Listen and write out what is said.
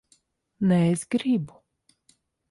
Nē, es gribu.